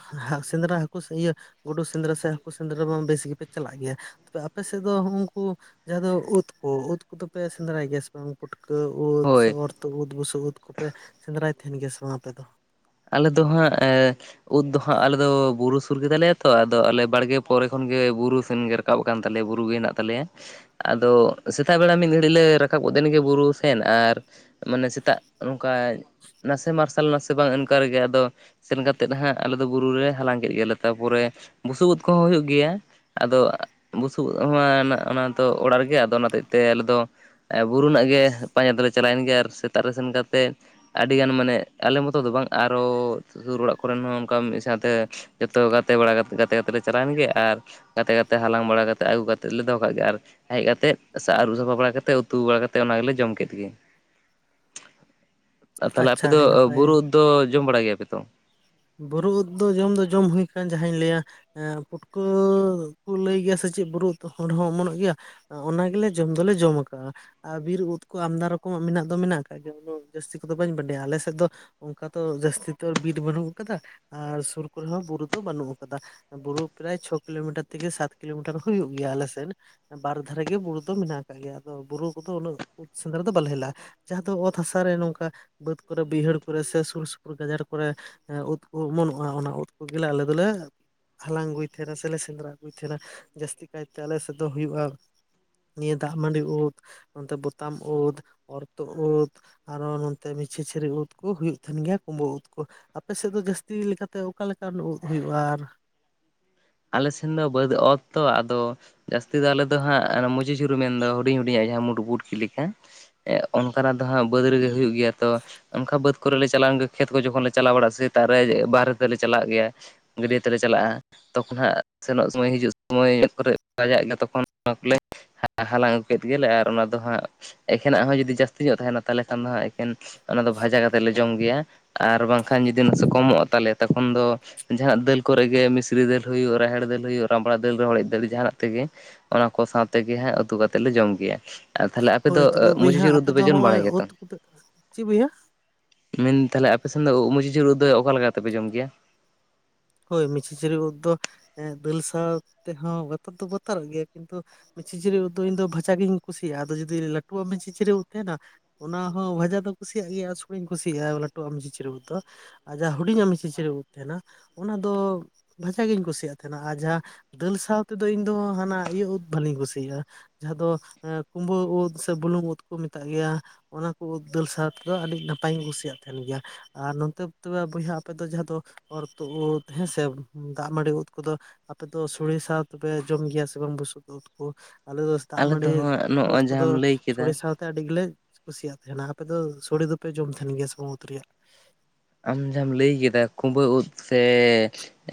ᱥᱮᱸᱫᱽᱨᱟ ᱦᱟᱹᱠᱩ ᱥᱮ ᱤᱭᱟᱹ ᱜᱩᱰᱩ ᱥᱮᱸᱫᱽᱨᱟ ᱥᱮ ᱦᱟᱹᱠᱩ ᱥᱮᱸᱫᱽᱨᱟ ᱢᱟ ᱵᱮᱥ ᱜᱮᱯᱮ ᱪᱟᱞᱟᱜ ᱜᱮᱭᱟ ᱾ ᱛᱚ ᱟᱯᱮ ᱥᱮᱫ ᱫᱚ ᱦᱩᱸ-ᱩᱱᱠᱩ ᱡᱟᱦᱟᱸ ᱫᱚ ᱳᱫ ᱠᱚ ᱩᱫ ᱠᱚᱫᱚᱯᱮ ᱥᱮᱸᱫᱽᱨᱟᱭ ᱜᱮᱥ ᱵᱟᱝ ᱯᱩᱴᱠᱟᱹ ᱳᱫ ᱥᱮ ᱦᱳᱭ ᱚᱨ ᱛᱩᱫ ᱩᱫ ᱵᱩᱥᱩᱵ ᱩᱫ ᱠᱚᱯᱮ ᱥᱮᱸᱫᱽᱨᱟᱭ ᱛᱟᱦᱮᱱ ᱜᱮᱭᱟ ᱥᱮ ᱵᱟᱝ ᱟᱯᱮ ᱫᱚ? ᱟᱞᱮ ᱫᱚ ᱦᱟᱸᱜ [inaudible] ᱳᱫ ᱫᱚ ᱦᱟᱸᱜ ᱟᱞᱮᱫᱚ ᱵᱩᱨᱩ ᱥᱩᱨ ᱜᱮᱛᱟᱞᱮᱭᱟ ᱛᱚ ᱟᱫᱚ ᱟᱞᱮ ᱵᱟᱲᱜᱮ ᱯᱚᱨᱮ ᱠᱷᱚᱱ ᱜᱮ ᱵᱩᱨᱩ ᱥᱮᱱ ᱜᱮ ᱨᱟᱠᱟᱵ ᱠᱟᱱ ᱛᱟᱞᱮᱭᱟ ᱵᱩᱨᱩ ᱜᱮ ᱦᱮᱱᱟᱜ ᱛᱟᱞᱮᱭᱟ ᱾ ᱟᱫᱚ ᱥᱮᱛᱟᱜ ᱵᱮᱲᱟ ᱢᱤᱫ ᱜᱷᱟᱹᱲᱤᱡ ᱞᱮ ᱨᱟᱠᱟᱵ ᱜᱚᱫ ᱮᱱ ᱜᱮ ᱵᱩᱨᱩ ᱥᱮᱱ ᱾ᱟᱨ ᱢᱟᱱᱮ ᱥᱮᱛᱟᱜ ᱚᱱᱠᱟ ᱱᱟᱥᱮ ᱢᱟᱨᱥᱟᱞ ᱱᱟᱥᱮ ᱵᱟᱝ ᱚᱱᱠᱟ ᱨᱮᱜᱮ ᱟᱫᱚ ᱾ ᱥᱮᱱ ᱠᱟᱛᱮᱫ ᱱᱟᱦᱟᱸᱜ ᱟᱞᱮ ᱫᱚ ᱵᱩᱨᱩ ᱨᱮ ᱦᱟᱞᱟᱝ ᱠᱮᱜ ᱜᱮᱞᱮ ᱛᱟᱨᱯᱚᱨᱮ ᱵᱩᱥᱩᱵ ᱩᱫ ᱠᱚᱦᱚᱸ ᱦᱩᱭᱩᱜ ᱜᱮᱭᱟ ᱾ ᱟᱫᱚ ᱵᱩᱥᱩᱵ [inaudible] ᱚᱱᱟ ᱫᱚ ᱚᱲᱟᱜ ᱨᱮᱜᱮ ᱟᱫᱚ ᱚᱱᱟ ᱦᱚᱛᱮᱜ ᱛᱮ ᱟᱞᱮ ᱫᱚ ᱾ ᱮ ᱵᱩᱨᱩ ᱨᱮᱱᱟᱜ ᱜᱮ ᱯᱟᱸᱡᱟ ᱫᱚᱞᱮ ᱪᱟᱞᱟᱮᱱ ᱜᱮ ᱟᱨ ᱥᱮᱛᱟᱜ ᱨᱮ ᱥᱮᱱ ᱠᱟᱛᱮᱫ ᱟᱹᱰᱤᱜᱟᱱ ᱢᱟᱱᱮ ᱟᱞᱮ ᱢᱚᱛᱚ ᱫᱚ ᱵᱟᱝ ᱟᱨᱚ ᱥᱩᱨ ᱚᱲᱟᱜ ᱠᱚᱨᱮᱱ ᱦᱚᱸ ᱚᱱᱠᱟ ᱢᱤᱫ ᱥᱟᱶᱛᱮ ᱾ ᱡᱚᱛᱚ ᱜᱟᱛᱮ ᱵᱟᱲᱟ ᱜᱟᱛᱮᱫ ᱜᱟᱛᱮ ᱜᱟᱛᱮ ᱞᱮ ᱪᱟᱞᱟᱣᱮᱱ ᱜᱮ ᱟᱨ ᱜᱟᱛᱮ ᱜᱟᱛᱮ ᱦᱟᱞᱟᱝ ᱵᱟᱲᱟ ᱠᱟᱛᱮᱫ ᱟᱹᱜᱩ ᱠᱟᱛᱮᱫ ᱞᱮ ᱫᱚᱦᱚ ᱠᱟᱜ ᱜᱮ ᱾ ᱟᱨ ᱦᱮᱡ ᱠᱟᱛᱮᱫ ᱥᱮ ᱟᱹᱨᱩᱵ ᱥᱟᱯᱷᱟ ᱵᱟᱲᱟ ᱠᱟᱛᱮᱫ ᱩᱛᱩ ᱵᱟᱲᱟ ᱠᱟᱛᱮᱫ ᱚᱱᱟ ᱜᱮᱞᱮ ᱡᱚᱢ ᱠᱮᱫ ᱜᱮ ᱾ ᱛᱟᱦᱞᱮ ᱟᱪᱪᱷᱟ ᱟᱯᱮ ᱫᱚ ᱟᱹᱰᱤ ᱱᱟᱯᱟᱭ ᱵᱩᱨᱩ ᱩᱫ ᱫᱚ ᱡᱚᱢ ᱵᱟᱲᱟ ᱜᱮᱭᱟ ᱯᱮ ᱛᱚ? ᱵᱩᱨᱩ ᱩᱫ ᱫᱚ ᱡᱚᱢ ᱫᱚ ᱡᱚᱢ ᱦᱩᱭ ᱟᱠᱟᱱ ᱡᱟᱦᱟᱧ ᱞᱟᱹᱭᱟ ᱟᱸ ᱯᱩᱴᱠᱟᱹ ᱠᱚ ᱞᱟᱹᱭ ᱜᱮᱭᱟ ᱥᱮ ᱪᱮᱫ ᱵᱩᱨᱩ ᱩᱫ ᱦᱚᱸᱰᱷ ᱦᱚᱸ ᱚᱢᱚᱱᱚᱜ ᱜᱮᱭᱟ ᱾ ᱚᱱᱟ ᱜᱮᱞᱮ ᱡᱚᱢ ᱫᱚᱞᱮ ᱡᱚᱢ ᱟᱠᱟᱜᱼᱟ ᱾ ᱟᱨ ᱵᱤᱨ ᱩᱫ ᱠᱚ ᱟᱢᱫᱟ ᱨᱚᱠᱚᱢᱟᱜ ᱢᱮᱱᱟᱜ ᱫᱚ ᱢᱮᱱᱟᱜ ᱟᱠᱟᱫ ᱜᱮᱭᱟ, ᱩᱱᱟᱹᱜ ᱡᱟᱹᱥᱛᱤ ᱠᱚᱫᱚ ᱵᱟᱹᱧ ᱵᱟᱰᱟᱭᱟ ᱾ ᱟᱞᱮ ᱥᱮᱫ ᱫᱚ ᱚᱝᱠᱟ ᱛᱚ ᱡᱟᱹᱥᱛᱤ ᱛᱚ ᱟᱨ ᱵᱤᱨ ᱵᱟᱹᱱᱩᱜ ᱟᱠᱟᱫᱟ, ᱟᱨ ᱥᱩᱨ ᱠᱚᱨᱮ ᱦᱚᱸ ᱵᱩᱨᱩ ᱫᱚ ᱵᱟᱹᱱᱩᱜ ᱟᱠᱟᱫᱟ ᱾ ᱵᱩᱨᱩ ᱯᱨᱟᱭ ᱪᱷᱚ ᱠᱤᱞᱳᱢᱤᱴᱟᱨ ᱛᱷᱮᱠᱮ ᱥᱟᱛ ᱠᱤᱞᱳᱢᱤᱴᱟᱨ ᱦᱩᱭᱩᱜ ᱜᱮᱭᱟ ᱟᱞᱮᱥᱮᱱ ᱾ ᱵᱟᱨ ᱫᱷᱟᱨᱮ ᱜᱮ ᱵᱩᱨᱩ ᱫᱚ ᱢᱮᱱᱟᱜ ᱟᱠᱟᱜ ᱜᱮᱭᱟ, ᱟᱫᱚ ᱵᱩᱨᱩ ᱠᱚᱫᱚ ᱩᱱᱟᱹᱜ ᱩᱫ ᱥᱮᱸᱫᱽᱨᱟ ᱫᱚ ᱵᱟᱞᱮ ᱦᱮᱞᱟᱜᱼᱟ ᱾ ᱡᱟᱦᱟᱸ ᱫᱚ ᱚᱛ ᱦᱟᱥᱟ ᱨᱮ ᱱᱚᱝᱠᱟ ᱵᱟᱹᱫ ᱠᱚᱨᱮ ᱵᱟᱹᱭᱦᱟᱹᱲ ᱠᱚᱨᱮ ᱥᱮ ᱥᱩᱨ ᱥᱩᱯᱩᱨ ᱜᱟᱡᱟᱲ ᱠᱚᱨᱮ ᱦᱮᱸ ᱩᱫ ᱠᱚ ᱚᱢᱚᱱᱚᱜᱼᱟ ᱚᱱᱟ ᱩᱫ ᱠᱚᱜᱮ ᱞᱮ ᱟᱞᱮ ᱫᱚᱞᱮ ᱦᱟᱞᱟᱝ ᱟᱹᱜᱩᱭ ᱛᱟᱦᱮᱸᱱᱟ ᱥᱮ ᱞᱮ ᱥᱮᱸᱫᱽᱨᱟ ᱟᱹᱜᱩᱭ ᱛᱟᱦᱮᱱᱟ ᱡᱟᱹᱥᱛᱤ ᱠᱟᱭᱛᱮ ᱟᱞᱮ ᱥᱮᱫ ᱫᱚ ᱦᱩᱭᱩᱜᱼᱟ ᱱᱤᱭᱟᱹ ᱫᱟᱜ ᱢᱟᱹᱰᱤ ᱩᱫᱽ ᱱᱚᱱᱛᱮ ᱵᱚᱛᱟᱢ ᱩᱫᱽ, ᱚᱨᱛᱩᱫ ᱩᱫᱽ, ᱟᱨᱚ ᱱᱚᱛᱮ ᱢᱤᱪᱷᱤᱪᱷᱤᱨᱤ ᱩᱫ ᱠᱚ ᱦᱩᱭᱩᱜ ᱛᱟᱦᱮᱱ ᱜᱮᱭᱟ ᱠᱩᱸᱵᱟᱹ ᱩᱫ ᱠᱚ ᱾ ᱟᱯᱮᱥᱮᱫ ᱫᱚ ᱡᱟᱹᱥᱛᱤ ᱞᱮᱠᱟᱛᱮ ᱚᱠᱟ ᱞᱮᱠᱟᱱ ᱩᱫ ᱦᱩᱭᱩᱜᱼᱟ ᱟᱨ? ᱟᱞᱮ ᱥᱮᱱ ᱫᱚ ᱵᱟᱹᱫ ᱚᱛ ᱛᱚ ᱟᱫᱚ ᱡᱟᱹᱥᱛᱤ ᱫᱚ ᱟᱞᱮ ᱫᱚ ᱦᱟᱸᱜ ᱦᱟᱱᱮ ᱢᱩᱪᱤ ᱪᱷᱩᱨᱤ ᱢᱮᱱ ᱫᱚ ᱦᱩᱰᱤᱧ ᱦᱩᱰᱤᱧᱟᱜ ᱡᱟᱦᱟᱸ ᱢᱩᱴᱵᱩᱴᱠᱤ ᱞᱮᱠᱟ ᱾ ᱚᱱᱠᱟᱱᱟᱜ ᱫᱚ ᱦᱟᱸᱜ ᱵᱟᱹᱫᱽ ᱨᱮᱜᱮ ᱦᱩᱭᱩᱜ ᱜᱮᱭᱟ ᱛᱚ ᱚᱱᱠᱟ ᱵᱟᱹᱫᱽ ᱠᱚ ᱨᱮ ᱞᱮ ᱪᱟᱞᱟᱣᱮᱱ ᱜᱮ ᱠᱷᱮᱛ ᱠᱚ ᱡᱚᱠᱷᱚᱱ ᱞᱮ ᱪᱟᱞᱟᱣ ᱵᱟᱲᱟᱜᱼᱟ ᱥᱮᱛᱟᱜ ᱨᱮ ᱵᱟᱦᱨᱮ ᱛᱮᱞᱮ ᱪᱟᱞᱟᱜ ᱜᱮᱭᱟ ᱾ ᱜᱟᱹᱰᱭᱟᱹ ᱛᱮᱞᱮ ᱪᱟᱞᱟᱜᱼᱟ ᱾ ᱛᱚᱠᱷᱚᱱ ᱦᱟᱸᱜ ᱥᱮᱱᱚᱜ ᱥᱚᱢᱚᱭ ᱦᱤᱡᱩᱜ ᱥᱚᱢᱚᱭ ᱢᱮᱫ ᱠᱚᱨᱮᱜ ᱵᱟᱡᱟᱜ ᱜᱮᱭᱟ ᱛᱚᱠᱷᱚᱱ ᱚᱱᱟ ᱠᱚᱞᱮ ᱦᱟ-ᱦᱟᱞᱟᱝ ᱟᱹᱜᱩ ᱠᱮᱫ ᱜᱮᱞᱮ ᱟᱨ ᱚᱱᱟ ᱫᱚ ᱦᱟᱸᱜ ᱮᱠᱷᱮᱱᱟᱜ ᱦᱚᱸ ᱡᱩᱫᱤ ᱡᱟᱹᱥᱛᱤ ᱧᱚᱜ ᱛᱟᱦᱮᱱᱟ ᱛᱟᱦᱚᱞᱮ ᱠᱷᱟᱱ ᱫᱚ ᱦᱟᱸᱜ ᱮᱠᱮᱱ ᱚᱱᱟ ᱫᱚ ᱵᱷᱟᱡᱟ ᱠᱟᱛᱮᱫ ᱞᱮ ᱡᱚᱢ ᱜᱮᱭᱟ ᱾ ᱟᱨ ᱵᱟᱝᱠᱷᱟᱱ ᱡᱩᱫᱤ ᱱᱟᱥᱮ ᱠᱚᱢᱚᱜᱼᱟ ᱛᱟᱞᱮᱭᱟ ᱛᱚᱠᱷᱚᱱ ᱫᱚ ᱡᱟᱦᱱᱟᱜ ᱫᱟᱹᱞ ᱠᱚᱨᱮ ᱜᱮ ᱢᱮ ᱥᱨᱤ ᱫᱟᱹᱞ ᱦᱩᱭᱩᱜ, ᱨᱟᱦᱮᱲ ᱫᱟᱹᱞ ᱦᱩᱭᱩᱜ, ᱨᱟᱢᱵᱲᱟ ᱫᱟᱹᱞ ᱨᱮᱦᱚᱸ ᱦᱚᱲᱮᱡ ᱫᱟᱹᱞ ᱡᱟᱦᱟᱱᱟᱜ ᱛᱮᱜᱮ ᱾ ᱚᱱᱟ ᱠᱚ ᱥᱟᱶᱛᱮᱜᱮ ᱦᱟᱸᱜ ᱩᱛᱩ ᱠᱟᱛᱮᱫ ᱞᱮ ᱡᱚᱢ ᱜᱮᱭᱟ ᱾ ᱟ ᱛᱟᱦᱞᱮ ᱟᱯᱮ ᱫᱚ ᱦᱳᱭ ᱛᱚᱵᱮ ᱢᱩᱪᱤ ᱵᱚᱭᱦᱟ ᱪᱷᱩᱨᱤ ᱩᱫ ᱟᱯᱮ ᱫᱚᱯᱮ ᱫᱚ ᱡᱚᱢ ᱦᱚᱸᱜᱼᱚᱭ ᱵᱟᱲᱟᱭ ᱜᱮᱭᱟ ᱛᱚ? ᱩᱫ ᱠᱚᱯᱮ ᱪᱮᱫ ᱵᱚᱭᱦᱟ ᱢᱮᱱᱫᱟᱧ ᱛᱟᱦᱞᱮ ᱟᱯᱮᱥᱮᱱ ᱫᱚ ᱩᱜ ᱢᱩᱪᱤ ᱪᱷᱩᱨᱤ ᱩᱫ ᱫᱚ ᱚᱠᱟ ᱞᱮᱠᱟ ᱠᱟᱛᱮᱯᱮ ᱡᱚᱢ ᱜᱮᱭᱟ? ᱦᱳᱭ ᱢᱩᱪᱤᱪᱷᱩᱨᱤ ᱩᱫ ᱫᱚ ᱮ ᱫᱟᱹᱞ ᱥᱟᱶ ᱛᱮᱦᱚᱸ ᱵᱟᱛᱟᱨ ᱫᱚ ᱵᱟᱛᱟᱨᱚᱜ ᱜᱮᱭᱟ, ᱠᱤᱱᱛᱩ ᱢᱩᱪᱤ ᱪᱷᱩᱨᱤ ᱩᱫ ᱫᱚ ᱤᱧ ᱫᱚ ᱵᱷᱟᱡ ᱜᱤᱧ ᱠᱩᱥᱤᱭᱟᱜᱼᱟ ᱟᱫᱚ ᱡᱩᱫᱤ ᱞᱟᱹᱴᱩᱣᱟᱜ ᱡᱩᱪᱤᱪᱷᱩᱨᱤ ᱩᱫ ᱛᱟᱦᱮᱱᱟ, ᱚᱱᱟ ᱦᱚᱸ ᱵᱷᱟᱡᱟ ᱫᱚ ᱠᱩᱥᱤᱭᱟᱜ ᱜᱮᱭᱟ [unintelligible] ᱠᱩᱥᱤᱭᱟᱜᱼᱟ ᱞᱟᱹᱴᱩᱣᱟᱜᱢ ᱢᱩᱪᱤᱪᱷᱩᱨᱤ ᱩᱫ ᱫᱚ ᱾ ᱟᱨ ᱡᱟᱦᱟᱸ ᱦᱩᱰᱤᱧᱟᱜ ᱢᱩᱪᱤᱪᱷᱩᱨᱤ ᱩᱫ ᱛᱟᱦᱮᱱᱟ ᱚᱱᱟ ᱫᱚ ᱵᱷᱟᱡᱟ ᱜᱤᱧ ᱠᱩᱥᱤᱭᱟᱜ ᱛᱟᱦᱮᱱᱟ, ᱟᱨ ᱡᱟᱦᱟᱸ ᱫᱟᱹᱞ ᱥᱟᱶ ᱛᱮᱫᱚ ᱤᱧ ᱫᱚ ᱦᱟᱱᱟ ᱤᱭᱟᱹ ᱩᱫ ᱵᱷᱟᱹᱞᱤᱧ ᱠᱩᱥᱤᱭᱟᱜᱼᱟ ᱡᱟᱦᱟᱸ ᱫᱚ ᱠᱩᱢᱵᱟᱹ ᱩᱫ ᱥᱮ ᱵᱩᱞᱩᱝ ᱩᱫ ᱠᱚ ᱢᱮᱛᱟᱜ ᱜᱮᱭᱟ ᱾ ᱚᱱᱟ ᱠᱚ ᱩᱫᱽ ᱫᱟᱹᱞ ᱥᱟᱶ ᱛᱮᱫᱚ ᱟᱹᱰᱤ ᱱᱟᱯᱟᱭᱤᱧ ᱠᱩᱥᱤᱭᱟᱜ ᱛᱟᱦᱮᱱ ᱜᱮᱭᱟ ᱾ ᱟᱨ ᱱᱚᱛᱮ ᱛᱚᱵᱮ ᱵᱚᱭᱦᱟ ᱟᱯᱮ ᱫᱚ ᱡᱟᱦᱟᱸ ᱫᱚ ᱚᱨ ᱛᱚᱜ ᱩᱫ ᱦᱮᱸᱥᱮ ᱫᱟᱜ ᱢᱟᱹᱰᱤ ᱩᱫ ᱠᱚᱫᱚ ᱟᱯᱮ ᱫᱚ ᱥᱚᱲᱮ ᱥᱟᱶ ᱫᱚᱯᱮ ᱡᱚᱢ ᱜᱮᱭᱟ ᱥᱮ ᱵᱟᱝ ᱵᱩᱥᱩᱵ ᱩᱫ ᱠᱚ? ᱟᱞᱮ ᱫᱚ ᱫᱟᱜ ᱟᱞᱮ ᱢᱟᱹᱰᱤ ᱫᱚ ᱦᱟᱸᱜ ᱱᱚᱜᱼᱚᱭ ᱩᱫ ᱠᱚᱫᱚ ᱡᱟᱦᱟᱸᱢ ᱞᱟᱹᱭ ᱥᱚᱲᱮ ᱠᱮᱫᱟ ᱥᱟᱶ ᱛᱮ ᱟᱹᱰᱤ ᱜᱮᱞᱮ ᱠᱩᱥᱤᱭᱟᱜ ᱛᱟᱦᱮᱱᱟ, ᱟᱯᱮ ᱫᱚ ᱥᱚᱲᱮ ᱫᱚᱯᱮ ᱡᱚᱢ ᱛᱟᱦᱮᱱ ᱜᱮᱭᱟ ᱥᱮ ᱵᱟᱝ ᱩᱫ ᱨᱮᱭᱟᱜ? ᱟᱢ ᱡᱟᱦᱟᱸᱢ ᱞᱟᱹᱭ ᱠᱮᱫᱟ ᱠᱩᱵᱟᱹ ᱩᱫ ᱥᱮ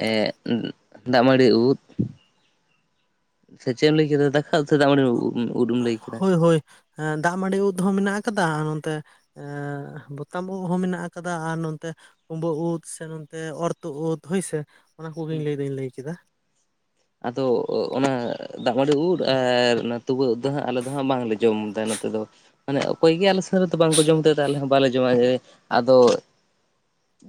ᱮ ᱫᱟᱜ ᱢᱟᱹᱲᱤ ᱩᱫ ᱥᱮᱪᱮᱫ ᱮᱢ ᱞᱟᱹᱭ ᱠᱮᱫᱟ ᱫᱟ [unintelligible] ᱫᱟᱜ ᱢᱟᱹᱰᱤ ᱩᱫ ᱮᱢ ᱞᱟᱹᱭ ᱠᱮᱫᱟ? ᱦᱳᱭ ᱦᱳᱭ ᱾ ᱦᱮᱸ ᱫᱟᱜ ᱢᱟᱺᱰᱤ ᱩᱫ ᱦᱚᱸ ᱢᱮᱱᱟᱜ ᱟᱠᱟᱫᱟ ᱱᱚᱱᱛᱮ ᱮᱻ ᱵᱚᱛᱟᱢ ᱩᱫ ᱦᱚᱸ ᱢᱮᱱᱟᱜ ᱟᱠᱟᱫᱟ ᱟᱨ ᱱᱚᱱᱛᱮ ᱠᱩᱢᱵᱟᱹ ᱩᱫ ᱥᱮ ᱱᱚᱛᱮ ᱚᱨᱛᱩᱜ ᱩᱫ ᱦᱳᱭᱥᱮ ᱚᱱᱟ ᱠᱚᱜᱮᱧ ᱞᱟᱹᱭ ᱫᱟᱹᱧ ᱞᱟᱹᱭᱠᱮᱫᱟ᱾ ᱟᱫᱚ ᱚᱱᱟ ᱫᱟᱜ ᱢᱟᱹᱰᱤ ᱩᱫ ᱟᱨ ᱚᱱᱟ ᱛᱩᱵᱟᱹ ᱩᱫ ᱫᱚ ᱦᱟᱸᱜ ᱟᱞᱮ ᱫᱚ ᱦᱟᱸᱜ ᱵᱟᱝᱞᱮ ᱡᱚᱢᱫᱟ ᱱᱚᱛᱮ ᱫᱚ᱾ ᱢᱟᱱᱮ ᱚᱠᱚᱭ ᱜᱮ ᱟᱞᱮ ᱥᱮᱱ ᱨᱮᱫᱚ ᱵᱟᱝᱠᱚ ᱡᱚᱢ ᱛᱮ ᱟᱫᱮ ᱟᱞᱮ ᱦᱚᱸ ᱵᱟᱞᱮ ᱡᱚᱢᱟ ᱡᱮ ᱟᱫᱚ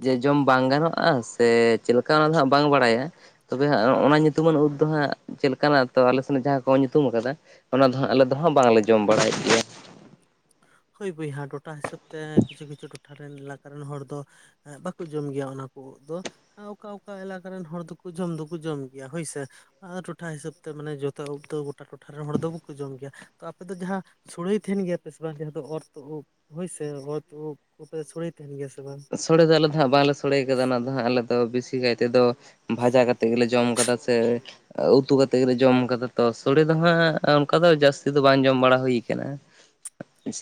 ᱡᱮ ᱡᱚᱢ ᱵᱟᱝ ᱜᱟᱱᱚᱜᱼᱟ ᱥᱮ ᱪᱮᱫᱞᱮᱠᱟ ᱚᱱᱟ ᱫᱚ ᱦᱟᱜ ᱵᱟᱝ ᱵᱟᱲᱟᱭᱟ ᱛᱚᱵᱮ ᱦᱟᱜ ᱚᱱᱟ ᱧᱩᱛᱩᱢ ᱧᱩᱛᱩᱢᱟᱱ ᱩᱫ ᱫᱚ ᱦᱟᱸᱜ ᱪᱮᱫ ᱞᱮᱠᱟᱱᱟᱜ ᱛᱚ ᱟᱞᱮᱥᱮᱱ ᱡᱟᱦᱟᱸ ᱠᱚ ᱧᱩᱛᱩᱢ ᱟᱠᱟᱫᱟ ᱚᱱᱟ ᱫᱚ ᱦᱟᱸᱜ ᱟᱞᱮ ᱫᱚ ᱦᱟᱸᱜ ᱵᱟᱝᱞᱮ ᱡᱚᱢ ᱵᱟᱲᱟᱭᱮᱫ ᱜᱮᱭᱟ ᱾ ᱦᱳᱭ ᱵᱚᱭᱦᱟ ᱴᱚᱴᱷᱟ ᱦᱤᱥᱟᱹᱵ ᱛᱮ ᱠᱤᱪᱷᱩ ᱠᱤᱪᱷᱩ ᱴᱚᱴᱷᱟ ᱨᱮᱱ ᱮᱞᱟᱠᱟ ᱨᱮᱱ ᱦᱚᱲ ᱫᱚ ᱦᱮᱸ ᱵᱟᱠᱚ ᱡᱚᱢ ᱜᱮᱭᱟ ᱚᱱᱟ ᱠᱚ ᱩᱫ ᱫᱚ᱾ ᱚᱠᱟ ᱚᱠᱟ ᱮᱞᱟᱠᱟ ᱨᱮᱱ ᱦᱚᱲ ᱫᱚᱠᱚ ᱡᱚᱢ ᱫᱚᱠᱚ ᱡᱚᱢ ᱜᱮᱭᱟ ᱦᱳᱭᱥᱮ᱾ ᱚᱱᱟ ᱴᱚᱴᱷᱟ ᱦᱤᱥᱟᱹᱵᱽ ᱛᱮ ᱢᱟᱱᱮ ᱡᱚᱛᱚ ᱩᱵ ᱫᱚ ᱜᱚᱴᱟ ᱴᱚᱴᱷᱟ ᱨᱮᱱ ᱦᱚᱲ ᱫᱚ ᱵᱟᱠᱚ ᱡᱚᱢ ᱜᱮᱭᱟ᱾ ᱛᱚ ᱟᱯᱮ ᱫᱚ ᱡᱟᱦᱟᱸ ᱥᱳᱲᱟᱹᱭ ᱛᱟᱦᱮᱱ ᱜᱮᱭᱟ ᱯᱮ? ᱚᱱᱟ ᱡᱟᱦᱟᱸ ᱫᱚ ᱚᱨ ᱛᱩᱜ ᱩᱵ ᱦᱳᱭ ᱥᱮ ᱚᱨ ᱛᱩᱜᱩᱵ ᱠᱚᱯᱮ ᱥᱳᱚᱲᱮ ᱛᱟᱦᱮᱱ ᱜᱮᱭᱟ ᱥᱮ ᱵᱟᱝ? ᱥᱚᱲᱮ ᱫᱚ ᱟᱞᱮ ᱫᱚ ᱦᱟᱸᱜ ᱵᱟᱝᱞᱮ ᱥᱚᱲᱮ ᱠᱟᱫᱟ ᱚᱱᱟ ᱫᱚ ᱦᱟᱸᱜ ᱟᱞᱮᱫᱚ ᱵᱮᱥᱤ ᱠᱟᱭ ᱛᱮᱫᱚ ᱵᱷᱟᱡᱟ ᱠᱟᱛᱮᱫ ᱜᱮᱞᱮ ᱡᱚᱢ ᱠᱟᱫᱟ ᱥᱮ ᱩᱛᱩ ᱠᱟᱛᱮᱫ ᱜᱮᱞᱮ ᱡᱚᱢ ᱠᱟᱫᱟ ᱛᱚ ᱥᱚᱲᱮ ᱫᱚ ᱦᱟᱸᱜ ᱚᱱᱠᱟ ᱫᱚ ᱡᱟᱹᱥᱛᱤ ᱫᱚ ᱵᱟᱝ ᱡᱚᱢ ᱵᱟᱲᱟ ᱦᱩᱭ ᱟᱠᱟᱱᱟ᱾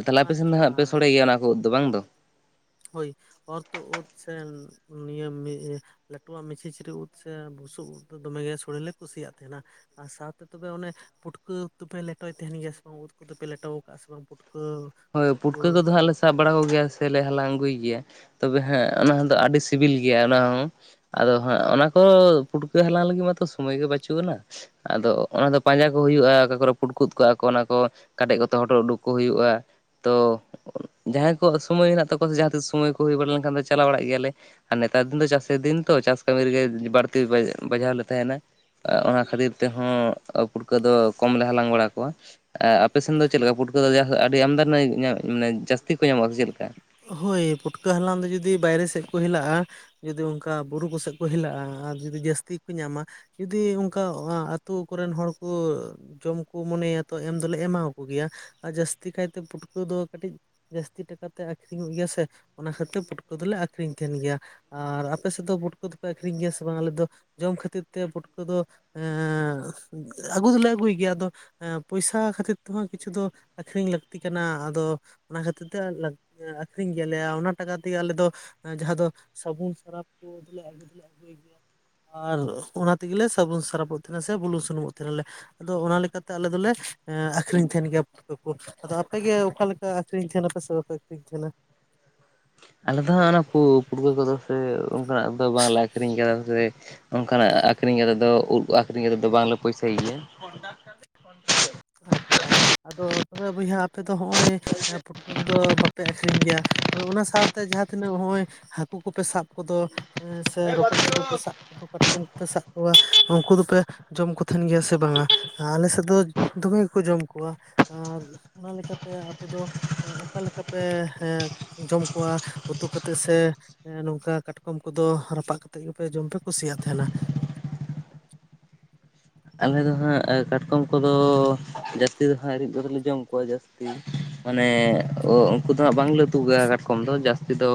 ᱛᱟᱦᱞᱮ ᱟᱯᱮ ᱥᱮᱱ ᱫᱚ ᱦᱟᱸᱜ ᱯᱮ ᱟᱪᱪᱷᱟ ᱥᱚᱲᱮ ᱜᱮᱭᱟ ᱚᱱᱟ ᱠᱚ ᱩᱫ ᱫᱚ ᱵᱟᱝ ᱫᱚ᱾ ᱦᱳᱭ ᱚᱨᱛᱷᱚᱜ ᱳᱫ ᱥᱮ ᱱᱤᱭᱟᱹᱢ ᱞᱟᱹᱴᱩᱣᱟᱜ ᱢᱤᱪᱷᱤᱪᱤᱨᱤ ᱩᱫ ᱥᱮ ᱵᱩᱥᱩᱵ ᱩᱫ ᱫᱚ ᱫᱚᱢᱮ ᱜᱮ ᱥᱚᱲᱮ ᱞᱮ ᱠᱩᱥᱤᱭᱟᱜ ᱛᱟᱦᱮᱱᱟ᱾ ᱟᱨ ᱥᱟᱶᱛᱮ ᱛᱚᱵᱮ ᱚᱱᱮ ᱯᱩᱴᱠᱟᱹ ᱩᱫ ᱫᱚᱯᱮ ᱞᱮᱴᱚᱭ ᱛᱟᱦᱮᱱ ᱜᱮᱭᱟ ᱥᱮ ᱵᱟᱝ ᱩᱫ ᱠᱚᱫᱚᱯᱮ ᱞᱮᱴᱚ ᱟᱠᱟᱜᱼᱟ ᱥᱮ ᱵᱟᱝ ᱯᱩᱴᱠᱟᱹ ᱦᱳᱭ ᱩᱫ ᱠᱚ ᱯᱩᱴᱠᱟᱹ ᱠᱚᱫᱚ ᱯᱮ ᱦᱟᱸᱜ ᱞᱮ ᱞᱮᱴᱚ ᱥᱟᱵ ᱵᱟᱲᱟ ᱠᱚᱜᱮᱭᱟ ᱥᱮᱞᱮ ᱦᱟᱞᱟᱝ ᱟᱹᱜᱩᱭ ᱜᱮᱭᱟ ᱛᱚᱵᱮ ᱦᱮᱸ ᱚᱱᱟ ᱫᱚ ᱟᱹᱰᱤ ᱥᱤᱵᱤᱞ ᱜᱮᱭᱟ ᱚᱱᱟ ᱦᱚᱸ᱾ ᱟᱫᱚ ᱦᱟᱸᱜ ᱚᱱᱟ ᱠᱚ ᱯᱩᱴᱠᱟᱹ ᱦᱟᱞᱟᱝ ᱞᱟᱹᱜᱤᱫ ᱢᱟᱛᱚ ᱥᱚᱢᱚᱭ ᱜᱮ ᱵᱟᱹᱪᱩᱜ ᱟᱱᱟ᱾ ᱟᱫᱚ ᱚᱱᱟᱫᱚ ᱯᱟᱸᱡᱟ ᱠᱚ ᱦᱩᱭᱩᱜᱼᱟ ᱚᱠᱟ ᱠᱚᱨᱮ ᱯᱩᱴᱠᱩᱫ ᱠᱚᱟᱜᱼᱟ ᱠᱚ ᱚᱱᱟ ᱠᱚ ᱠᱟᱰᱮᱡ ᱠᱚᱛᱮ ᱦᱚᱴᱚᱨ ᱩᱰᱩᱠ ᱠᱚ ᱦᱩᱭᱩᱜᱼᱟ ᱛᱚ ᱡᱟᱦᱟᱸᱭ ᱠᱚᱣᱟᱜ ᱥᱚᱢᱚᱭ ᱢᱮᱱᱟᱜ ᱛᱟᱠᱚᱣᱟ ᱥᱮ ᱡᱟᱦᱟᱸ ᱛᱤᱥ ᱥᱚᱢᱚᱭ ᱠᱚ ᱦᱩᱭ ᱵᱟᱲᱟ ᱞᱮᱱᱠᱷᱟᱱ ᱫᱚ ᱪᱟᱞᱟᱣ ᱵᱟᱲᱟᱜ ᱜᱮᱭᱟᱞᱮ᱾ ᱟᱨ ᱱᱮᱛᱟᱨ ᱫᱤᱱ ᱫᱚ ᱪᱟᱹᱥᱤ ᱫᱤᱱ ᱛᱚ ᱪᱟᱥ ᱠᱟᱹᱢᱤ ᱨᱮᱜᱮ ᱵᱟᱹᱲᱛᱤ ᱵᱟᱡᱷᱟᱣ ᱞᱮ ᱛᱟᱦᱮᱱᱟ᱾ ᱚᱱᱟ ᱠᱷᱟᱹᱛᱤᱨ ᱛᱮᱦᱚᱸ ᱯᱩᱲᱠᱟᱹ ᱫᱚ ᱠᱚᱢᱞᱮ ᱦᱟᱞᱟᱝ ᱵᱟᱲᱟ ᱠᱚᱣᱟ᱾ ᱟᱨ ᱟᱯᱮ ᱥᱮᱱ ᱫᱚ ᱪᱮᱫᱠᱟ ᱯᱩᱴᱠᱟᱹ ᱟᱹᱰᱤ ᱟᱢᱫᱟ ᱢᱟᱱᱮ ᱡᱟᱹᱥᱛᱤ ᱠᱚ ᱧᱟᱢᱚᱜᱼᱟ ᱥᱮ ᱪᱮᱫ ᱞᱮᱠᱟ? ᱦᱳᱭ ᱯᱩᱴᱠᱟᱹ ᱦᱟᱞᱟᱝ ᱫᱚ ᱡᱩᱫᱤ ᱵᱟᱭᱨᱮ ᱥᱮᱫ ᱠᱚ ᱦᱮᱞᱟᱜ-ᱟ ᱡᱩᱫᱤ ᱚᱱᱠᱟ ᱵᱩᱨᱩ ᱠᱚᱥᱮᱫ ᱠᱚ ᱦᱮᱞᱟᱜᱼᱟ ᱟᱨ ᱡᱩᱫᱤ ᱡᱟᱹᱥᱛᱤ ᱠᱚ ᱧᱟᱢᱟ ᱡᱩᱫᱤ ᱚᱱᱠᱟ ᱟᱹᱛᱩ ᱠᱚᱨᱮᱱ ᱦᱚᱲ ᱠᱚ ᱡᱚᱢ ᱠᱚ ᱢᱚᱱᱮᱭᱟ ᱛᱚ ᱮᱢ ᱫᱚᱞᱮ ᱮᱢᱟᱣᱟᱠᱚ ᱜᱮᱭᱟ ᱟᱨ ᱡᱟᱹᱥᱛᱤ ᱠᱟᱭᱛᱮ ᱯᱩᱴᱠᱟᱹ ᱫᱚ ᱠᱟᱹᱴᱤᱡ ᱡᱟᱹᱥᱛᱤ ᱴᱟᱠᱟᱛᱮ ᱟᱠᱷᱨᱤᱧᱚᱜ ᱜᱮᱭᱟ ᱥᱮ ᱚᱱᱟ ᱠᱷᱟᱹᱛᱤᱨ ᱯᱩᱴᱠᱟᱹ ᱫᱚᱞᱮ ᱟᱠᱷᱨᱤᱧ ᱛᱟᱦᱮᱱ ᱜᱮᱭᱟ᱾ ᱟᱨ ᱟᱯᱮ ᱥᱮᱫ ᱫᱚ ᱯᱩᱴᱠᱟᱹ ᱫᱚᱯᱮ ᱟᱠᱷᱨᱤᱧ ᱜᱮᱭᱟ ᱥᱮ ᱵᱟᱝ ᱟᱞᱮ ᱫᱚ ᱡᱚᱢ ᱠᱷᱟᱹᱛᱤᱨ ᱛᱮ ᱯᱩᱴᱠᱟᱹ ᱫᱚ ᱮᱸ ᱟᱹᱜᱩ ᱫᱚᱞᱮ ᱟᱹᱜᱩᱭ ᱜᱮᱭᱟ ᱟᱫᱚ ᱯᱚᱭᱥᱟ ᱠᱷᱟᱹᱛᱤᱨ ᱛᱮᱦᱚᱸ ᱠᱤᱪᱷᱩ ᱫᱚ ᱟᱠᱷᱨᱤᱧ ᱞᱟᱹᱠᱛᱤ ᱠᱟᱱᱟ ᱟᱫᱚ ᱚᱱᱟ ᱠᱷᱟᱹᱛᱤᱨ ᱛᱮ ᱟᱠᱷᱨᱤᱧ ᱜᱮᱭᱟᱞᱮᱭᱟ ᱚᱱᱟ ᱴᱟᱠᱟ ᱛᱮᱜᱮ ᱟᱞᱮ ᱫᱚ ᱡᱟᱦᱟᱸ ᱫᱚ ᱥᱟᱵᱩᱱ ᱥᱟᱨᱟᱯ ᱠᱚ [inaudible] ᱟᱨ ᱚᱱᱟ ᱛᱮᱜᱮᱞᱮ ᱥᱟᱵᱚᱱ ᱥᱟᱨᱟᱯᱚᱜ ᱛᱟᱦᱮᱱᱟ ᱥᱮ ᱵᱩᱞᱩᱝ ᱥᱩᱱᱩᱢᱚᱜ ᱛᱟᱦᱮᱱᱟᱞᱮ᱾ ᱟᱫᱚ ᱚᱱᱟ ᱞᱮᱠᱟ ᱛᱮ ᱟᱞᱮ ᱫᱚᱞᱮ ᱮᱸ ᱟᱹᱠᱷᱨᱤᱧ ᱛᱟᱦᱮᱸᱱ ᱜᱮᱭᱟ ᱯᱩᱴᱠᱟᱹ ᱠᱩ᱾ ᱟᱫᱚ ᱟᱯᱮ ᱜᱮ ᱚᱠᱟ ᱞᱮᱠᱟ ᱟᱹᱠᱷᱨᱤᱧ ᱛᱷᱮᱱᱟ ᱯᱮ ᱥᱮ ᱵᱟᱯᱮ ᱟᱹᱠᱷᱨᱤᱧ ᱛᱷᱮᱱᱟ? ᱟᱞᱮ ᱫᱚ ᱦᱟᱸᱜ ᱚᱱᱟ ᱯᱩ ᱯᱩᱴᱠᱟᱹ ᱠᱚᱫᱚ ᱥᱮ ᱚᱱᱠᱟ ᱱᱟᱜ ᱫᱚ ᱵᱟᱝ ᱞᱮ ᱟᱠᱷᱨᱤᱧ ᱠᱟᱫᱟ ᱥᱮ ᱚᱱᱠᱟ ᱱᱟᱜ ᱟᱠᱷᱨᱤᱧ ᱨᱮᱫᱚ ᱩᱫᱽ ᱟᱠᱷᱨᱤᱧ ᱨᱮᱫᱚ ᱵᱟᱝ ᱞᱮ ᱯᱩᱭᱥᱟᱹᱭ ᱜᱮᱭᱟ᱾ ᱟᱪᱪᱷᱟ ᱟᱫᱚ ᱛᱚᱵᱮ ᱵᱚᱭᱦᱟ ᱟᱯᱮ ‌ᱫᱚ ᱦᱚᱸᱜ-ᱚᱭ ᱮᱸ ᱯᱷᱩᱴᱠᱟᱹ ᱠᱚᱫᱚ ᱵᱟᱯᱮ ᱟᱹᱠᱷᱨᱤᱧ ᱜᱮᱭᱟ᱾ ᱛᱚᱵᱮ ᱚᱱᱟ ᱥᱟᱶᱛᱮ ᱡᱟᱦᱟᱸ ᱛᱤᱱᱟᱹᱜ ᱦᱚᱜ-ᱚᱭ ᱦᱟᱹᱠᱩ ᱠᱚᱯᱮ ᱥᱟᱵ ᱠᱚᱫᱚ ‌ᱮᱸ ᱥᱮ ᱨᱚᱠᱚᱡ ᱠᱚᱫᱚ ᱯᱮ ᱥᱟᱵ ᱦᱟᱹᱠᱩ ᱠᱟᱴᱠᱚᱢ ᱠᱚᱯᱮ ᱥᱟᱵ ᱠᱚᱣᱟ ᱩᱝᱠᱩ ᱫᱚᱯᱮ ᱡᱚᱢ ᱠᱚ ᱛᱷᱮᱱ ᱜᱮᱭᱟ ᱥᱮ ᱵᱟᱝᱟ ᱟᱸ ᱟᱞᱮ ᱥᱮᱫ ᱫᱚ ᱫᱚᱢᱮ ᱜᱮᱠᱚ ᱡᱚᱢ ᱠᱚᱣᱟ ᱟᱨ ᱚᱱᱟ ᱞᱮᱠᱟ ᱛᱮ ᱟᱯᱮ ᱫᱚ ᱮᱸ ᱚᱠᱟ ᱞᱮᱠᱟ ᱯᱮ ᱦᱮᱸ ᱡᱚᱢ ᱠᱚᱣᱟ ᱩᱛᱩ ᱠᱟᱛᱮᱜ ᱥᱮ ᱦᱮᱸ ᱱᱚᱝᱠᱟ ᱠᱟᱴᱠᱚᱢ ᱠᱚᱫᱚ ᱨᱟᱯᱟᱜ ᱠᱟᱛᱮᱜ ᱜᱮᱯᱮ ᱡᱚᱢ ᱯᱮ ᱠᱩᱥᱤᱭᱟᱜ ᱛᱟᱦᱮᱱᱟ᱾ ᱟᱞᱮ ᱫᱚ ᱦᱟᱸᱜ ᱠᱟᱴᱠᱚᱢ ᱠᱚᱫᱚ ᱡᱟᱹᱥᱛᱤ ᱫᱚ ᱦᱟᱸᱜ ᱨᱤᱫ ᱠᱟᱛᱮᱜ ᱞᱮ ᱡᱚᱢ ᱠᱚᱣᱟ ᱡᱟᱹᱥᱛᱤ᱾ ᱢᱟᱱᱮ ᱚᱻᱚᱱᱠᱚ ᱫᱚ ᱦᱟᱸᱜ ᱵᱟᱝ ᱞᱮ ᱩᱛᱩ ᱠᱚᱣᱟ ᱠᱟᱴᱠᱚᱢ ᱫᱚ ᱡᱟᱥᱛᱤ ᱫᱚ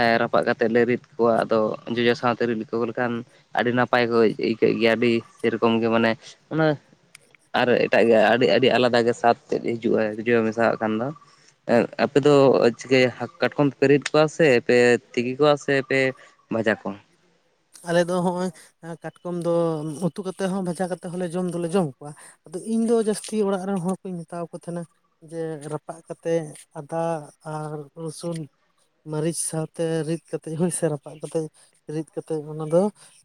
ᱮ‌ ᱨᱟᱯᱟᱜ ᱠᱟᱛᱮᱜ ᱞᱮ ᱨᱤᱫ ᱠᱚᱣᱟ ᱟᱫᱚ ᱡᱚᱡᱚ ᱥᱟᱶᱛᱮ ᱨᱤᱫ ᱞᱚᱠᱚ ᱞᱮᱠᱷᱟᱱ ᱟᱹᱰᱤ ᱱᱟᱯᱟᱭ ᱠᱚ ᱟᱹᱭᱠᱟᱹᱜ ᱜᱮᱭᱟ ᱟᱹᱰᱤ ᱥᱮᱭ ᱨᱚᱠᱚᱢ ᱜᱮ ᱢᱟᱱᱮ ᱚᱱᱟ ᱟᱨ ᱮᱴᱟᱜ ᱜᱮ ᱟᱹᱰᱤ ᱟᱹᱰᱤ ᱟᱞᱟᱫᱟ ᱜᱮ ᱥᱟᱫ ᱛᱮᱫ ᱦᱤᱡᱩᱜ-ᱟ ᱡᱚᱡᱚ ᱢᱮᱥᱟᱣᱟᱜ ᱠᱷᱟᱱ ᱫᱚ᱾ ᱮᱸ ᱟᱯᱮ ᱫᱚ ᱪᱤᱠᱟᱹᱭᱟ ᱦᱟᱹᱠᱩ ᱠᱟᱴᱠᱚᱢ ᱯᱮ ᱨᱤᱫ ᱠᱚᱣᱟ ᱥᱮ ᱯᱮ ᱛᱤᱠᱤ ᱠᱚᱣᱟ ᱥᱮ ᱯᱮ ᱵᱷᱟᱡᱟ ᱠᱚᱣᱟ? ᱟᱞᱮ ᱫᱚ ᱦᱚᱸᱜ-ᱚᱭ ᱠᱟᱴᱠᱚᱢ ᱫᱚ ᱩᱛᱩ ᱠᱟᱛᱮᱜ ᱦᱚᱸ ᱵᱷᱟᱡᱟ ᱠᱟᱛᱮᱜ ᱦᱚᱸᱞᱮ ᱡᱚᱢ ᱫᱚᱞᱮ ᱡᱚᱢ ᱠᱚᱣᱟ᱾ ᱟᱫᱚ ᱤᱧ ᱫᱚ ᱡᱟᱹᱥᱛᱤ ᱚᱲᱟᱜ ᱨᱮᱱ ᱦᱚᱲ ᱠᱚᱧ ᱢᱮᱛᱟᱣ ᱠᱚ ᱛᱟᱦᱮᱸᱱᱟ᱾ ᱡᱮ ᱨᱟᱯᱟᱜ ᱠᱟᱛᱮᱜ ᱟᱫᱷᱟ ᱟᱨ ᱨᱟᱹᱥᱩᱱ ᱢᱟᱹᱨᱤᱪ ᱥᱟᱶᱛᱮ ᱨᱤᱫ ᱠᱟᱛᱮᱜ ᱦᱳᱭ ᱥᱮ ᱨᱟᱯᱟᱜ ᱠᱟᱛᱮᱜ ᱨᱤᱫ ᱠᱟᱛᱮ ᱚᱱᱟ ᱫᱚ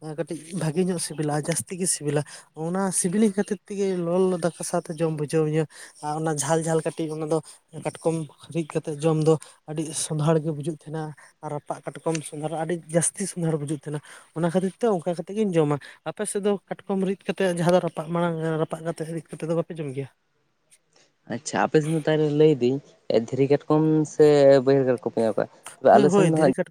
ᱟ-ᱠᱟᱹᱴᱤᱡ ᱵᱷᱟᱹᱜᱤ ᱧᱚᱜ ᱥᱤᱵᱤᱞᱟ ᱡᱟᱹᱥᱛᱤ ᱜᱮ ᱥᱤᱵᱤᱞᱟ᱾ ᱚᱱᱟ ᱥᱤᱵᱤᱞᱤᱧ ᱠᱷᱟᱹᱛᱤᱨ ᱛᱮᱜᱮ ᱞᱚᱞᱚ ᱞᱚᱞᱚ ᱫᱟᱠᱟ ᱥᱟᱶᱛᱮ ᱡᱚᱢ ᱵᱩᱡᱷᱟᱹᱣ ᱤᱧᱟᱹ᱾ ᱟᱨ ᱚᱱᱟ ᱡᱷᱟᱞ ᱡᱷᱟᱞ ᱠᱟᱹᱴᱤᱡ ᱚᱱᱟ ᱫᱚ ᱠᱟᱴᱠᱚᱢ ᱨᱤᱫ ᱠᱟᱛᱮᱜ ᱡᱚᱢ ᱫᱚ ᱟᱹᱰᱤ ᱜᱮ ᱥᱚᱸᱫᱷᱟᱲ ᱜᱮ ᱵᱩᱡᱩᱜ ᱛᱟᱦᱮᱱᱟ᱾ ᱟᱨ ᱨᱟᱯᱟᱜ ᱠᱟᱴᱠᱚᱢ ᱥᱚᱸᱫᱷᱟᱨ ᱟᱹᱰᱤ ᱡᱟᱹᱥᱛᱤ ᱥᱚᱸᱫᱷᱟᱲ ᱵᱩᱡᱩᱜ ᱛᱮᱦᱮᱱᱟ ᱚᱱᱟ ᱠᱷᱟᱹᱛᱤᱨ ᱛᱮ ᱚᱱᱠᱟ ᱠᱟᱛᱮᱜ ᱜᱤᱧ ᱡᱚᱢᱟ᱾ ᱟᱯᱮ ᱥᱮᱜ ᱫᱚ ᱠᱟᱴᱠᱚᱢ ᱨᱤᱫ ᱠᱟᱛᱮᱜ ᱡᱟᱦᱟᱸ ᱫᱚ ᱨᱟᱯᱟᱜ ᱢᱟᱬᱟᱝ ᱨᱟᱯᱟᱜ ᱠᱟᱛᱮᱜ ᱨᱤᱫ ᱠᱟᱛᱮᱜ ᱫᱚ ᱵᱟᱯᱮ ᱡᱚᱢ ᱜᱮᱭᱟ᱾ ᱟᱪᱪᱷᱟ ᱟᱯᱮ ᱥᱮᱱ ᱫᱚ ᱛᱟᱦᱚᱞᱮ ᱞᱟᱹᱭ ᱫᱤᱧ ᱮ ᱫᱷᱤᱨᱤ ᱠᱟᱴᱠᱚᱢ ᱥᱮ ᱵᱟᱹᱭᱦᱟᱹᱲ ᱠᱟᱴᱠᱚᱢ? ᱦᱮᱸ ᱵᱟ ᱦᱳᱭ ᱟᱞᱮ ᱥᱮᱱ ᱦᱳᱭ ᱫᱚ ᱫᱷᱤᱨᱤ ᱦᱟᱸᱜ ᱠᱟᱴᱠᱚᱢ